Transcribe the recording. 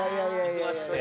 忙しくて。